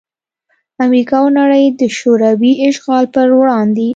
امریکا او نړۍ دشوروي اشغال پر وړاندې